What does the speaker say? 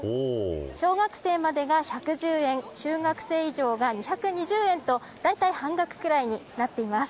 小学生までが１１０円中学生以上が２２０円とだいたい半額ぐらいになっています。